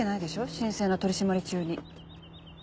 神聖な取り締まり中に。